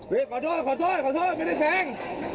เฮ้ยขอโทษไม่ได้แสง